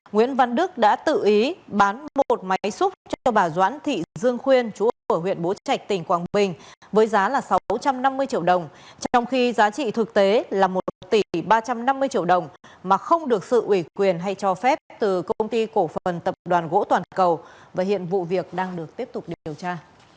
nguyễn văn đức đã tự ý bán một máy xúc cho bà doãn thị dương khuyên chủ ở huyện bố trạch tỉnh quảng bình với giá sáu trăm năm mươi triệu đồng trong khi giá trị thực tế là một tỷ ba trăm năm mươi triệu đồng mà không được sự ủy quyền hay cho phép từ công ty cổ phần tập đoàn gỗ toàn cầu và hiện vụ việc đang được tiếp tục điều tra